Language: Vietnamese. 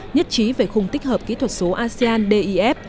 nhất trí về khung tích hợp kỹ thuật số asean dif